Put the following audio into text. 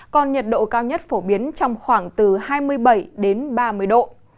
còn nhiệt độ cao nhất phổ biến trong khoảng từ hai mươi bảy đến ba mươi độ